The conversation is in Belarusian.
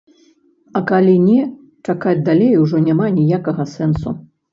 А калі не, чакаць далей ужо няма ніякага сэнсу.